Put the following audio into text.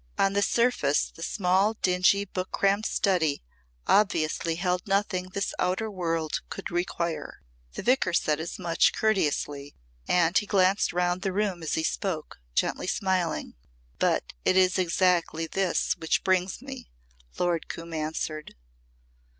On the surface the small, dingy book crammed study obviously held nothing this outer world could require. The Vicar said as much courteously and he glanced round the room as he spoke, gently smiling. "But it is exactly this which brings me," Lord Coombe answered.